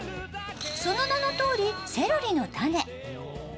その名のとおり、セロリの種。